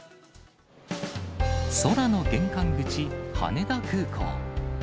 空の玄関口、羽田空港。